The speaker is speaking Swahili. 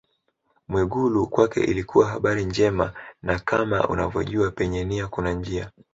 Mwigulu kwake ilikuwa habari njema na kama unavyojua penye nia kuna njia